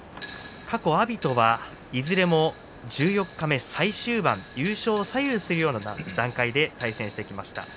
過去、阿炎とはいずれも十四日目最終盤優勝を左右するような段階で対戦してきました。